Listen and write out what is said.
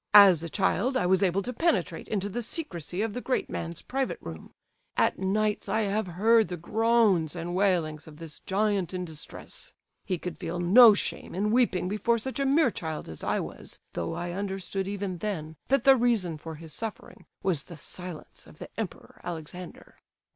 As a child, I was able to penetrate into the secrecy of the great man's private room. At nights I have heard the groans and wailings of this 'giant in distress.' He could feel no shame in weeping before such a mere child as I was, though I understood even then that the reason for his suffering was the silence of the Emperor Alexander."